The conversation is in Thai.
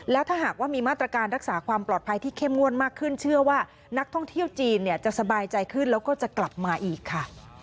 แล้วถ้าหากว่ามีมาตรการรักษาความปลอดภัยที่เข้มงวดมากขึ้นเชื่อว่านักท่องเที่ยวจีนเนี่ยจะสบายใจขึ้นแล้วก็จะกลับมาอีกค่ะ